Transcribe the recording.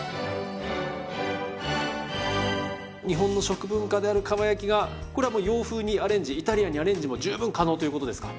日本の食文化であるかば焼きがこれはもう洋風にアレンジイタリアンにアレンジも十分可能ということですか？